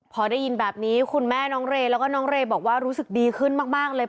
พอได้ยินแบบนี้คุณแม่น้องเรย์แล้วก็น้องเรย์บอกว่ารู้สึกดีขึ้นมากเลย